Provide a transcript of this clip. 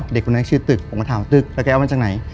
เด็กคนนั้นชื่อตึกผมก็ถามตึกแล้วแกเอามาจากไหน